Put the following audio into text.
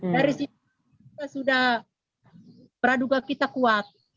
dari situ sudah beraduga kita kuat